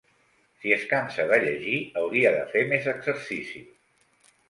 Si es cansa de llegir hauria de fer més exercici.